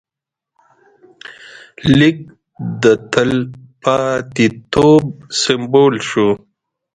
لیک د تلپاتېتوب سمبول شو.